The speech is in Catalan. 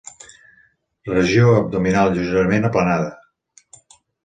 Regió abdominal lleugerament aplanada.